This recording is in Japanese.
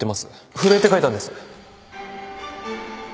震えて書いたんです